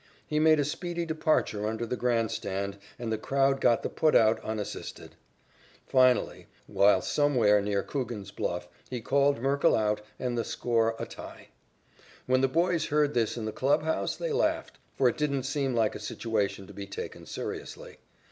He made a speedy departure under the grand stand and the crowd got the put out unassisted. Finally, while somewhere near Coogan's Bluff, he called Merkle out and the score a tie. When the boys heard this in the clubhouse, they laughed, for it didn't seem like a situation to be taken seriously.